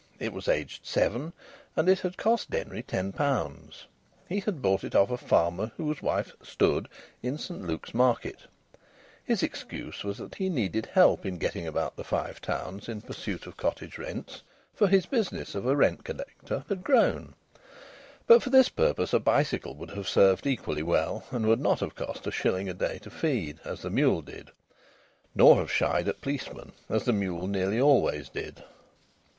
It was aged seven, and it had cost Denry ten pounds. He had bought it off a farmer whose wife "stood" St Luke's Market. His excuse was that he needed help in getting about the Five Towns in pursuit of cottage rents, for his business of a rent collector had grown. But for this purpose a bicycle would have served equally well, and would not have cost a shilling a day to feed, as the mule did, nor have shied at policemen, as the mule nearly always did.